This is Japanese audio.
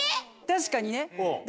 確かにね。